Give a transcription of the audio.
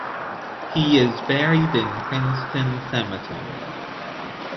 He is buried in Princeton Cemetery.